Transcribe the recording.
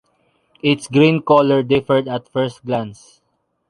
Its green color differed at first glance